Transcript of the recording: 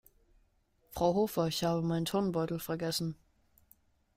Frau Hofer, ich habe meinen Turnbeutel vergessen.